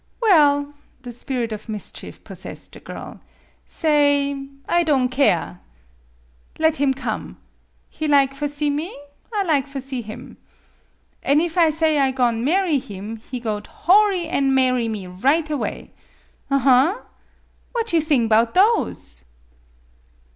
" Well," the spirit of mischief possessed the girl, " sa ay I don' keer. Let him come. He lig for see me; I lig for see him. An' if I say I go'n' marry him, he got hoarry an' marry 'me right away. Aha! What you thing 'bout those?"